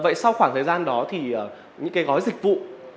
vậy sau khoảng thời gian đó thì những cái gói dịch vụ